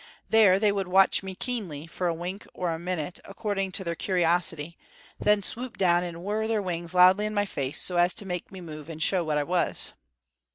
There they would watch me keenly, for a wink or a minute, according to their curiosity, then swoop down and whirr their wings loudly in my face, so as to make me move and show what I was.